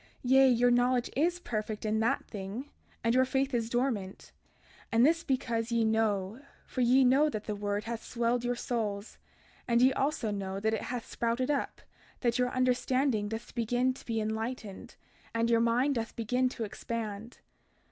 Yea, your knowledge is perfect in that thing, and your faith is dormant; and this because ye know, for ye know that the word hath swelled your souls, and ye also know that it hath sprouted up, that your understanding doth begin to be enlightened, and your mind doth begin to expand.